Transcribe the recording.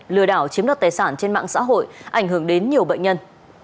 lừa đảo chiếm đoạt tài sản trên mạng xã hội ảnh hưởng đến nhiều bệnh nhân